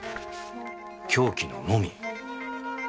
凶器ののみ。